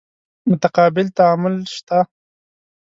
متقابل تعامل شته.